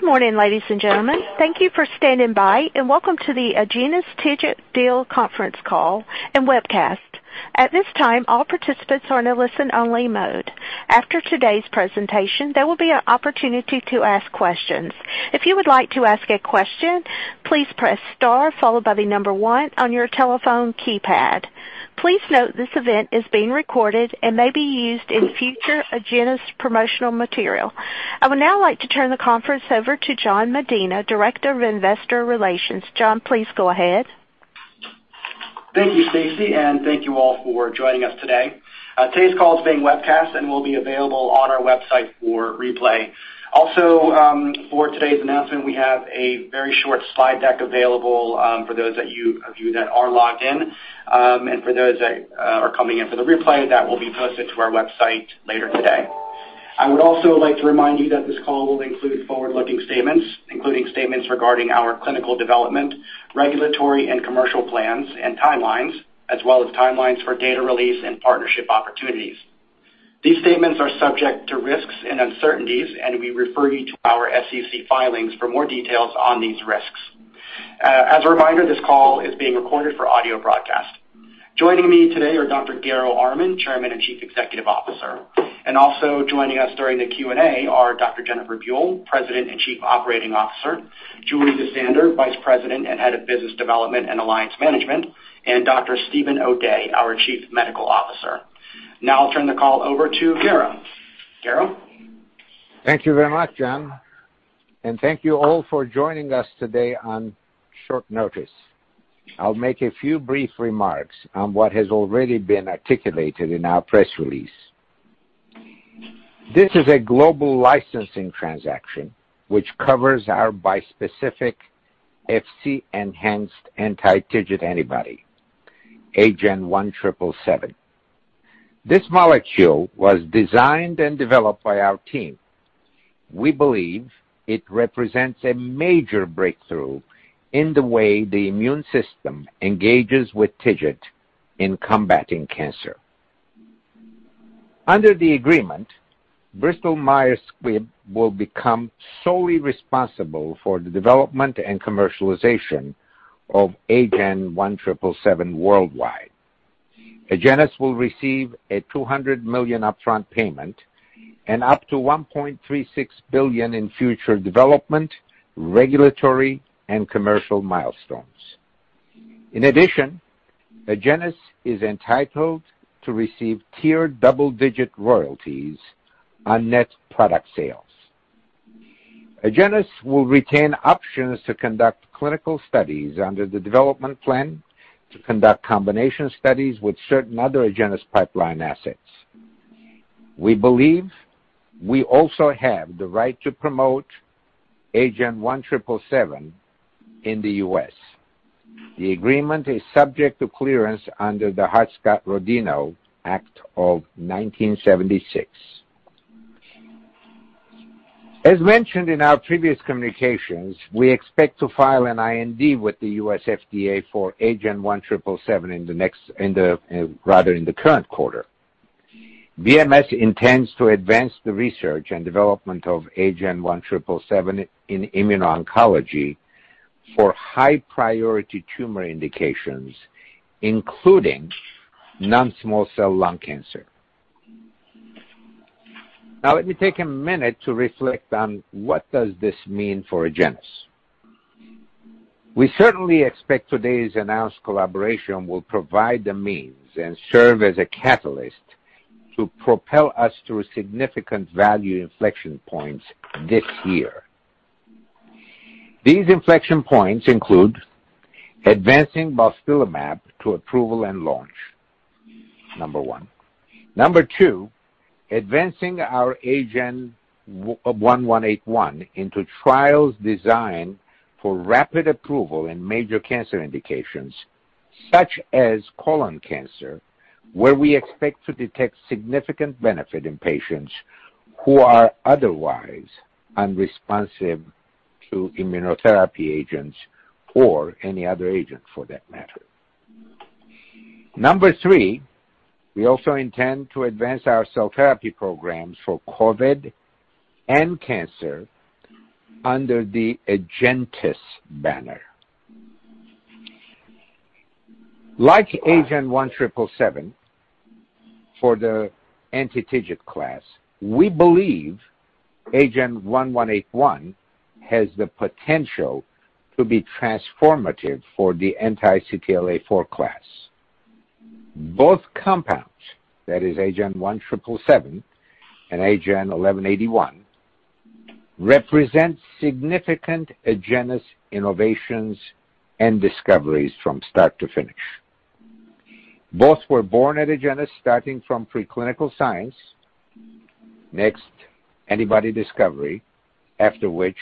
Good morning, ladies and gentlemen. Thank you for standing by, and welcome to the Agenus TIGIT Deal conference call and webcast. I would now like to turn the conference over to Jan Medina, Director of Investor Relations. Jan, please go ahead. Thank you, Stacey, and thank you all for joining us today. Today's call is being webcast and will be available on our website for replay. Also, for today's announcement, we have a very short slide deck available for those of you that are logged in. For those that are coming in for the replay, that will be posted to our website later today. I would also like to remind you that this call will include forward-looking statements, including statements regarding our clinical development, regulatory and commercial plans and timelines, as well as timelines for data release and partnership opportunities. These statements are subject to risks and uncertainties, and we refer you to our SEC filings for more details on these risks. As a reminder, this call is being recorded for audio broadcast. Joining me today are Dr. Garo Armen, Chairman and Chief Executive Officer, and also joining us during the Q&A are Dr. Jennifer Buell, President and Chief Operating Officer, Julie DeSander, Vice President and Head of Business Development and Alliance Management, and Dr. Steven O'Day, our Chief Medical Officer. I'll turn the call over to Garo. Garo? Thank you very much, Jan, and thank you all for joining us today on short notice. I'll make a few brief remarks on what has already been articulated in our press release. This is a global licensing transaction, which covers our bispecific Fc-enhanced anti-TIGIT antibody, AGEN1777. This molecule was designed and developed by our team. We believe it represents a major breakthrough in the way the immune system engages with TIGIT in combating cancer. Under the agreement, Bristol Myers Squibb will become solely responsible for the development and commercialization of AGEN1777 worldwide. Agenus will receive a $200 million upfront payment and up to $1.36 billion in future development, regulatory, and commercial milestones. In addition, Agenus is entitled to receive tiered double-digit royalties on net product sales. Agenus will retain options to conduct clinical studies under the development plan to conduct combination studies with certain other Agenus pipeline assets. We believe we also have the right to promote AGEN1777 in the U.S. The agreement is subject to clearance under the Hart-Scott-Rodino Antitrust Improvements Act of 1976. As mentioned in our previous communications, we expect to file an IND with the U.S. FDA for AGEN1777 rather in the current quarter. BMS intends to advance the research and development of AGEN1777 in immuno-oncology for high-priority tumor indications, including non-small cell lung cancer. Let me take a minute to reflect on what does this mean for Agenus. We certainly expect today's announced collaboration will provide the means and serve as a catalyst to propel us to a significant value inflection points this year. These inflection points include advancing balstilimab to approval and launch, number one. Number one, advancing our AGEN1181 into trials designed for rapid approval in major cancer indications, such as colon cancer, where we expect to detect significant benefit in patients who are otherwise unresponsive to immunotherapy agents or any other agent for that matter. Number three, we also intend to advance our cell therapy programs for COVID and cancer under the Agenus banner. Like AGEN1777 for the anti-TIGIT class, we believe AGEN1181 has the potential to be transformative for the anti-CTLA-4 class. Both compounds, that is AGEN1777 and AGEN1181, represent significant Agenus innovations and discoveries from start to finish. Both were born at Agenus starting from preclinical science. Next, antibody discovery, after which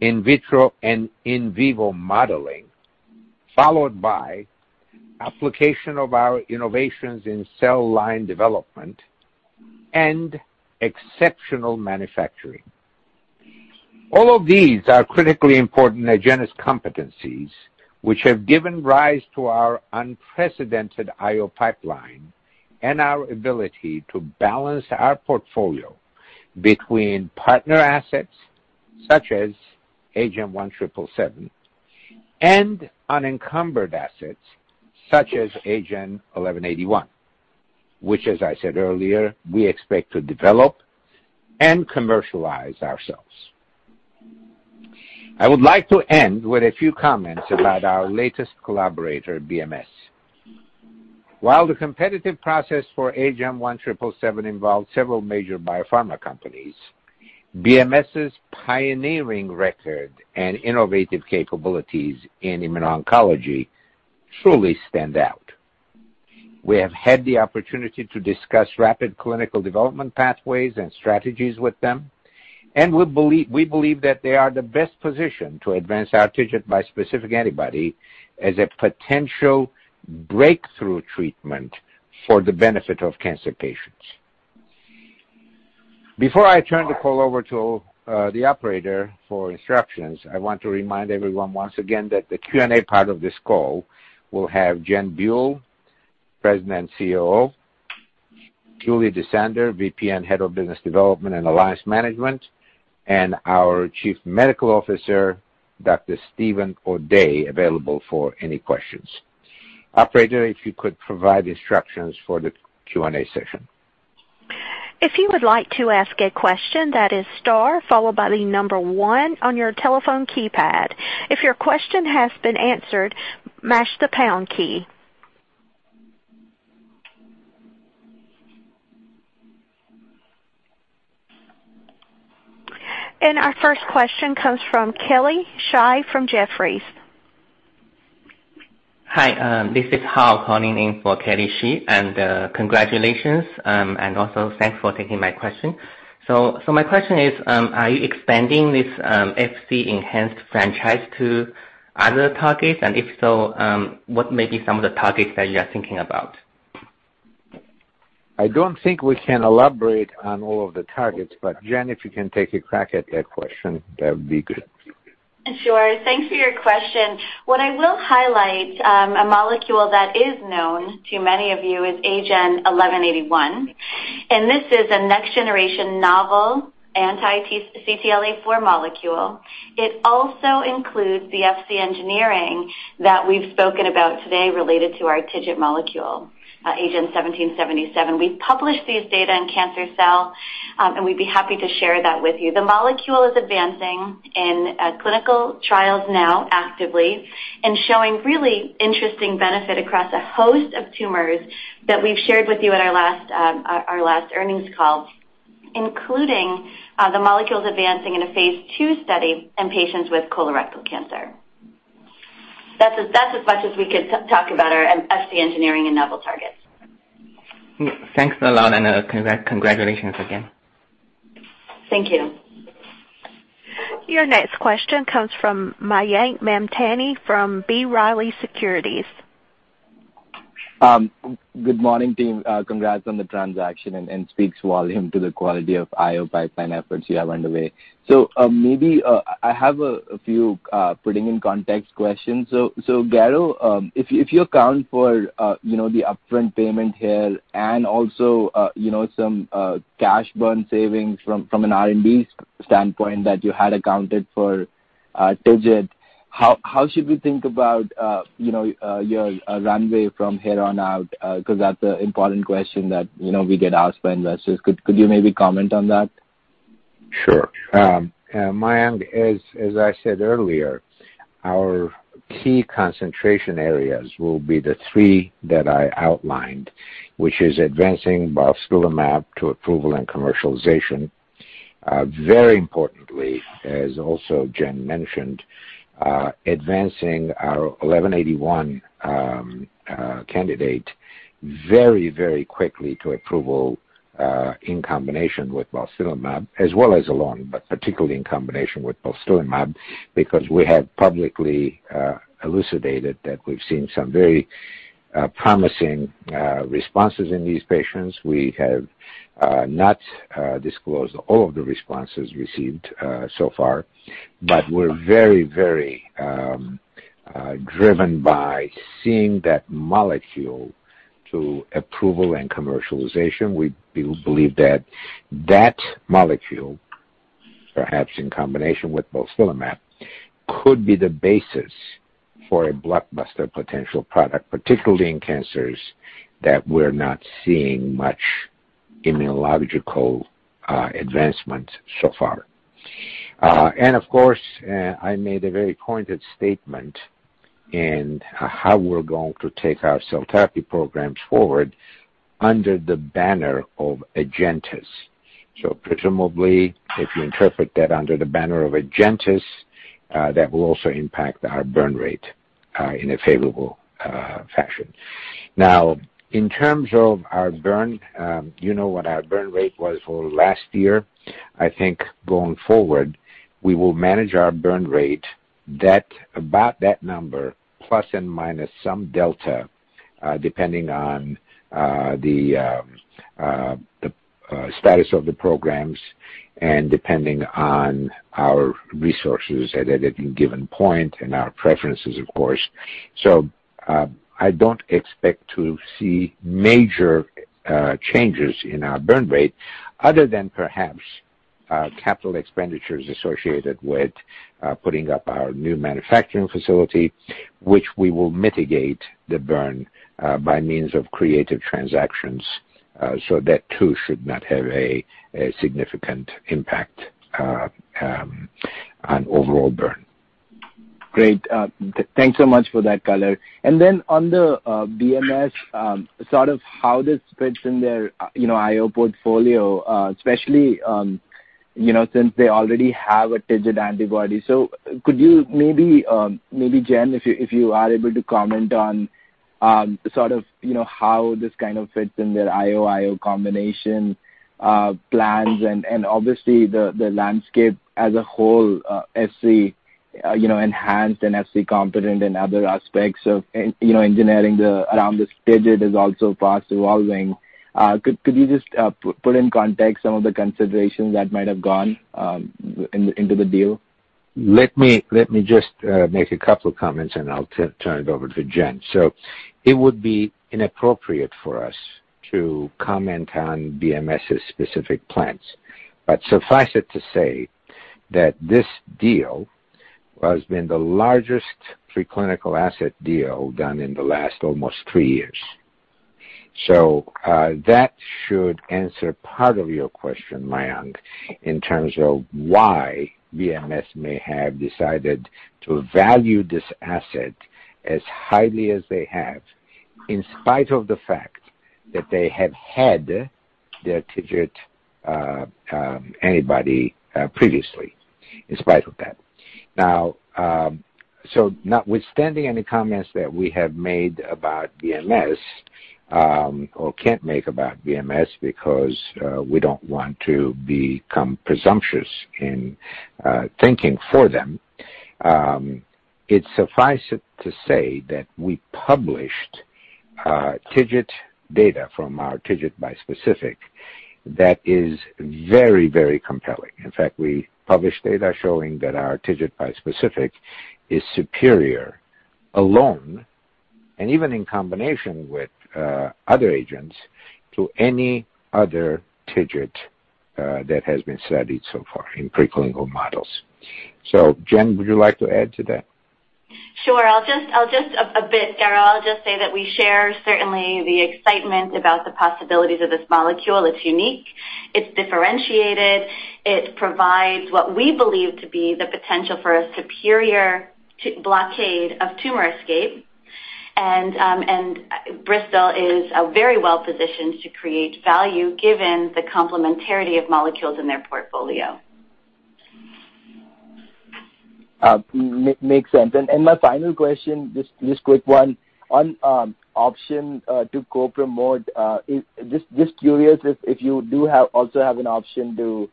in vitro and in vivo modeling, followed by application of our innovations in cell line development and exceptional manufacturing. All of these are critically important Agenus competencies, which have given rise to our unprecedented IO pipeline. Our ability to balance our portfolio between partner assets, such as AGEN1777, and unencumbered assets, such as AGEN1181, which as I said earlier, we expect to develop and commercialize ourselves. I would like to end with a few comments about our latest collaborator, BMS. The competitive process for AGEN1777 involved several major biopharma companies, BMS' pioneering record and innovative capabilities in immuno-oncology truly stand out. We have had the opportunity to discuss rapid clinical development pathways and strategies with them, and we believe that they are in the best position to advance our TIGIT bispecific antibody as a potential breakthrough treatment for the benefit of cancer patients. Before I turn the call over to the operator for instructions, I want to remind everyone once again that the Q&A part of this call will have Jen Buell, President and COO, Julie DeSander, Vice President and Head of Business Development and Alliance Management, and our Chief Medical Officer, Dr. Steven O'Day, available for any questions. Operator, if you could provide instructions for the Q&A session. If you would like to ask a question, that is star followed by the number one on your telephone keypad. If your question has been answered, mash the pound key. Our first question comes from Kelly Shi from Jefferies. Hi, this is Hao calling in for Kelly Shi, and congratulations, and also thanks for taking my question. My question is, are you expanding this Fc-enhanced franchise to other targets? If so, what may be some of the targets that you're thinking about? I don't think we can elaborate on all of the targets, but Jen, if you can take a crack at that question, that would be good. Sure. Thanks for your question. What I will highlight, a molecule that is known to many of you is AGEN1181, and this is a next-generation novel anti-TIGIT CTLA-4 molecule. It also includes the Fc engineering that we've spoken about today related to our TIGIT molecule, AGEN1777. We've published these data in Cancer Cell, and we'd be happy to share that with you. The molecule is advancing in clinical trials now actively and showing really interesting benefit across a host of tumors that we've shared with you at our last earnings call, including the molecules advancing in a phase II study in patients with colorectal cancer. That's as much as we could talk about our Fc engineering and novel targets. Thanks a lot, and congratulations again. Thank you. Your next question comes from Mayank Mamtani from B. Riley Securities. Good morning, team. Congrats on the transaction, and it speaks volume to the quality of IO pipeline efforts you have underway. Maybe I have a few putting in context questions. Garo Armen, if you account for the upfront payment here and also some cash burn savings from an R&D standpoint that you had accounted for TIGIT, how should we think about your runway from here on out? Because that's an important question that we get asked by investors. Could you maybe comment on that? Sure. Mayank, as I said earlier, our key concentration areas will be the three that I outlined, which is advancing balstilimab to approval and commercialization. Very importantly, as also Jen mentioned, advancing our AGEN1181 candidate very, very quickly to approval in combination with balstilimab, as well as alone, particularly in combination with balstilimab, because we have publicly elucidated that we've seen some very promising responses in these patients. We have not disclosed all of the responses received so far. We're very driven by seeing that molecule to approval and commercialization. We believe that that molecule, perhaps in combination with balstilimab, could be the basis for a blockbuster potential product, particularly in cancers that we're not seeing much immunological advancement so far. Of course, I made a very pointed statement in how we're going to take our cell therapy programs forward under the banner of Agenus. Presumably, if you interpret that under the banner of Agenus, that will also impact our burn rate in a favorable fashion. In terms of our burn, you know what our burn rate was for last year. I think going forward, we will manage our burn rate about that number, plus and minus some delta, depending on the status of the programs and depending on our resources at any given point and our preferences, of course. I don't expect to see major changes in our burn rate other than perhaps capital expenditures associated with putting up our new manufacturing facility, which we will mitigate the burn by means of creative transactions. That too should not have a significant impact on overall burn. Great. Thanks so much for that color. On the BMS, how this fits in their IO portfolio, especially since they already have a TIGIT antibody. Could you maybe, Jen, if you are able to comment on how this kind of fits in their IO combination plans and obviously the landscape as a whole, Fc-enhanced and Fc-competent and other aspects of engineering around this TIGIT is also fast evolving. Could you just put in context some of the considerations that might have gone into the deal? Let me just make a couple comments, and I'll turn it over to Jen. It would be inappropriate for us to comment on BMS's specific plans, but suffice it to say that this deal has been the largest preclinical asset deal done in the last almost three years. That should answer part of your question, Mayank, in terms of why BMS may have decided to value this asset as highly as they have, in spite of the fact that they have had their TIGIT antibody previously, in spite of that. Now, notwithstanding any comments that we have made about BMS, or can't make about BMS, because we don't want to become presumptuous in thinking for them, it's suffice it to say that we published TIGIT data from our TIGIT bispecific that is very compelling. In fact, we published data showing that our TIGIT bispecific is superior alone and even in combination with other agents to any other TIGIT that has been studied so far in preclinical models. Jen, would you like to add to that? Sure. I'll just say, Garo, that we share certainly the excitement about the possibilities of this molecule. It's unique, it's differentiated, it provides what we believe to be the potential for a superior blockade of tumor escape, and Bristol is very well-positioned to create value given the complementarity of molecules in their portfolio. Makes sense. My final question, just quick one. On option to co-promote, just curious if you do also have an option to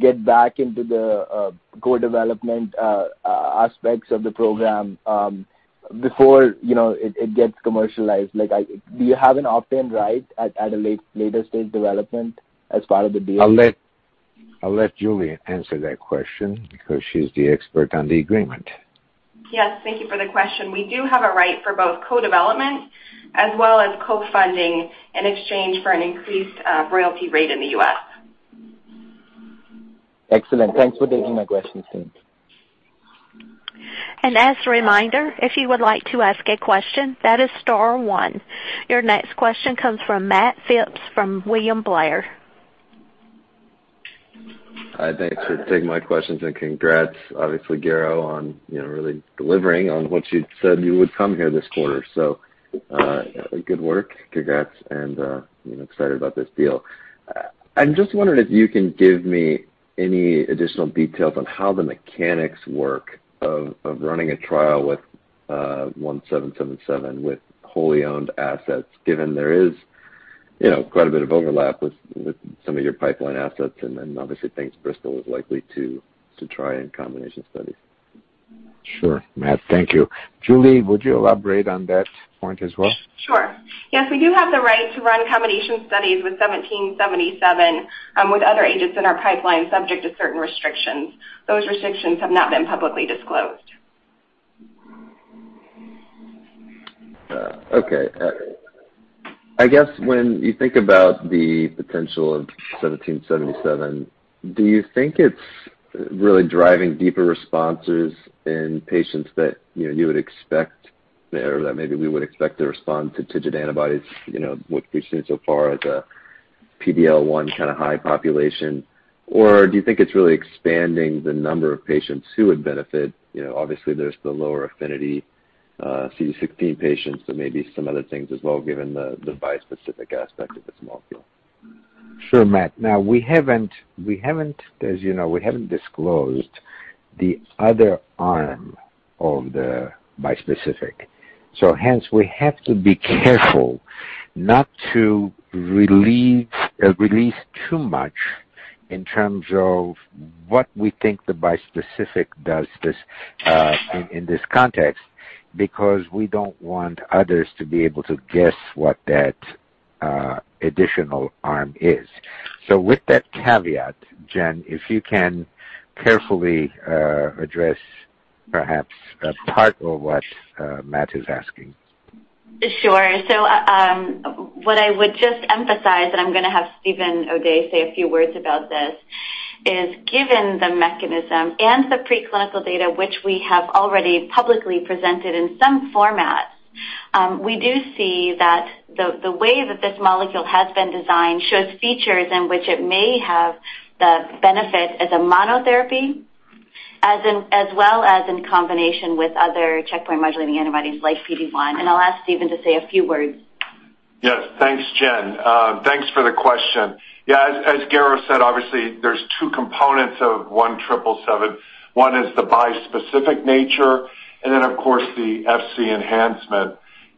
get back into the co-development aspects of the program before it gets commercialized. Do you have an option right at a later stage development as part of the deal? I'll let Julie answer that question because she's the expert on the agreement. Yes. Thank you for the question. We do have a right for both co-development as well as co-funding in exchange for an increased royalty rate in the U.S. Excellent. Thanks for taking my question. As a reminder, if you would like to ask a question, that is star one. Your next question comes from Matt Phipps from William Blair. Thanks for taking my questions, and congrats, obviously, Garo, on really delivering on what you said you would come here this quarter. Good work, congrats, and I'm excited about this deal. I'm just wondering if you can give me any additional details on how the mechanics work of running a trial with AGEN1777 with wholly owned assets, given there is quite a bit of overlap with some of your pipeline assets, and then obviously thinks Bristol is likely to try in combination studies. Sure. Matt, thank you. Julie, would you elaborate on that point as well? Sure. Yes, we do have the right to run combination studies with AGEN1777 with other agents in our pipeline, subject to certain restrictions. Those restrictions have not been publicly disclosed. Okay. I guess when you think about the potential of AGEN1777, do you think it's really driving deeper responses in patients that you would expect there, that maybe we would expect to respond to TIGIT antibodies, what we've seen so far as a PD-L1 high population, or do you think it's really expanding the number of patients who would benefit? Obviously, there's the lower affinity CD16 patients, so maybe some other things as well, given the bispecific aspect of this molecule. Sure, Matt. As you know, we haven't disclosed the other arm of the bispecific. Hence, we have to be careful not to release too much in terms of what we think the bispecific does in this context, because we don't want others to be able to guess what that additional arm is. With that caveat, Jen, if you can carefully address perhaps part of what Matt is asking. Sure. What I would just emphasize, I am going to have Steven O'Day say a few words about this, is given the mechanism and the preclinical data which we have already publicly presented in some format, we do see that the way that this molecule has been designed shows features in which it may have the benefit as a monotherapy, as well as in combination with other checkpoint modulating antibodies like PD-1. I will ask Steven to say a few words. Yes. Thanks, Jen. Thanks for the question. As Garo said, obviously, there's two components of AGEN1777. One is the bispecific nature, and then, of course, the Fc enhancement.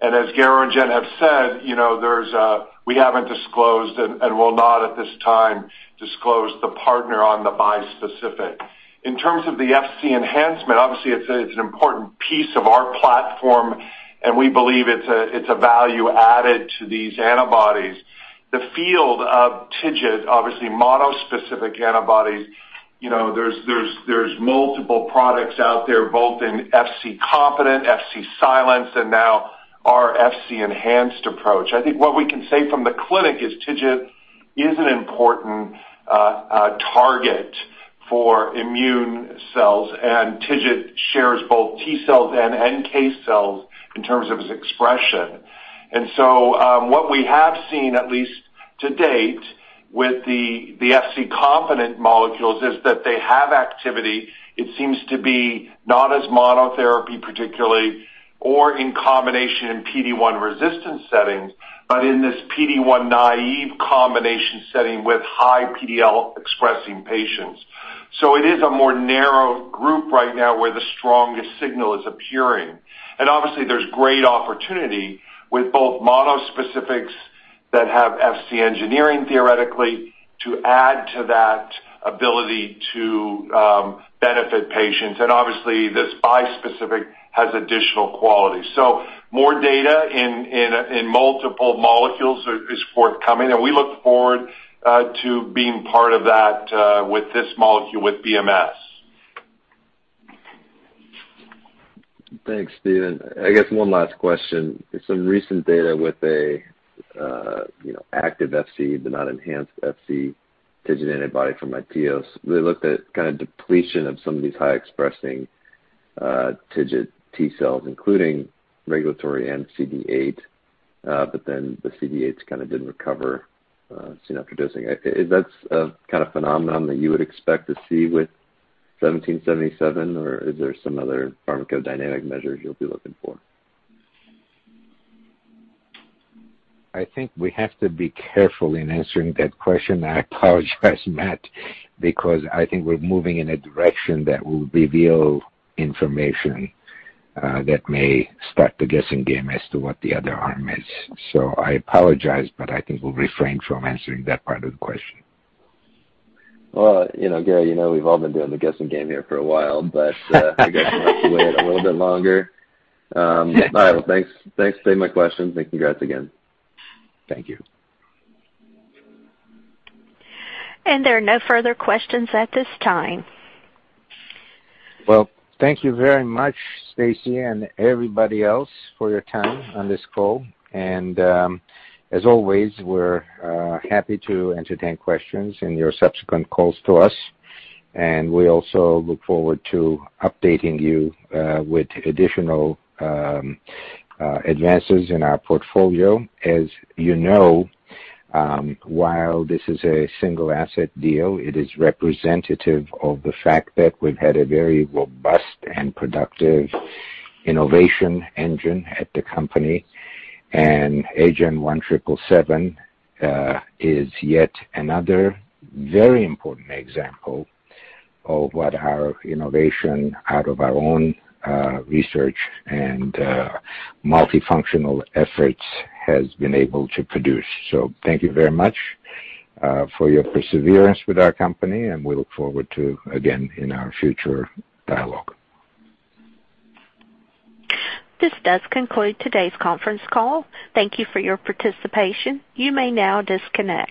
As Garo and Jen have said, we haven't disclosed and will not at this time disclose the partner on the bispecific. In terms of the Fc enhancement, obviously, it's an important piece of our platform, and we believe it's a value added to these antibodies. The field of TIGIT, obviously monospecific antibodies, there's multiple products out there, both in Fc-competent, Fc-silent, and now our Fc-enhanced approach. I think what we can say from the clinic is TIGIT is an important target for immune cells, and TIGIT shares both T cells and NK cells in terms of its expression. What we have seen, at least to date, with the Fc-competent molecules, is that they have activity. It seems to be not as monotherapy particularly or in combination in PD-1 resistant settings, but in this PD-1 naive combination setting with high PDL expressing patients. It is a more narrow group right now where the strongest signal is appearing. Obviously, there's great opportunity with both monospecifics that have Fc engineering theoretically to add to that ability to benefit patients. Obviously, this bispecific has additional quality. More data in multiple molecules is forthcoming, and we look forward to being part of that with this molecule with BMS. Thanks, Steven. I guess one last question. Some recent data with an active Fc, but not Fc-enhanced TIGIT antibody from iTeos. They looked at depletion of some of these high expressing TIGIT T-cells, including regulatory and CD8, but then the CD8s didn't recover soon after dosing. Is that a phenomenon that you would expect to see with AGEN1777, or are there some other pharmacodynamic measures you'll be looking for? I think we have to be careful in answering that question, I apologize, Matt, because I think we're moving in a direction that will reveal information that may start the guessing game as to what the other arm is. I apologize, but I think we'll refrain from answering that part of the question. Well, Garo, you know we've all been doing the guessing game here for a while, but I guess we'll have to wait a little bit longer. Thanks for taking my questions, and congrats again. Thank you. There are no further questions at this time. Thank you very much, Stacey, and everybody else for your time on this call. As always, we're happy to entertain questions in your subsequent calls to us, and we also look forward to updating you with additional advances in our portfolio. As you know, while this is a single asset deal, it is representative of the fact that we've had a very robust and productive innovation engine at the company, and AGEN1777 is yet another very important example of what our innovation out of our own research and multifunctional efforts has been able to produce. Thank you very much for your perseverance with our company, and we look forward to again in our future dialogue. This does conclude today's conference call. Thank you for your participation. You may now disconnect.